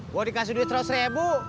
mau dikasih duit seratus ribu